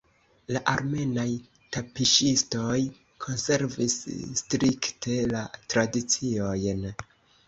La armenaj tapiŝistoj konservis strikte la tradiciojn.